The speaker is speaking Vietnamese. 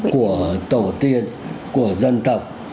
của tổ tiên của dân tộc